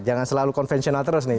jangan selalu konvensional terus nih